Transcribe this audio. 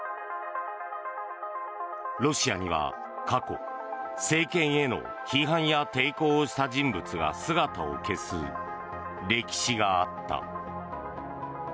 ロシアには、過去政権への批判や抵抗をした人物が姿を消す歴史があった。